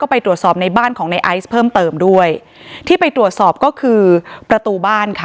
ไปตรวจสอบในบ้านของในไอซ์เพิ่มเติมด้วยที่ไปตรวจสอบก็คือประตูบ้านค่ะ